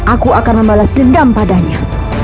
aku akan membalas dendam padanya